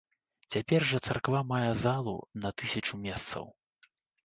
Цяпер жа царква мае залу на тысячу месцаў.